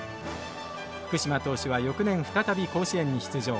福嶋投手は翌年再び甲子園に出場。